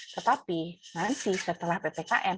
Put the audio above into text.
tetapi nanti setelah ppkm